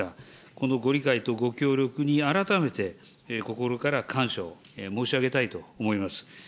このご理解とご協力に改めて心から感謝を申し上げたいと思います。